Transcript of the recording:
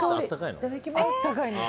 いただきます。